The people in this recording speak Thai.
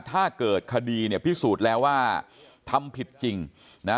ถ้าเกิดคดีเนี่ยพิสูจน์แล้วว่าทำผิดจริงนะฮะ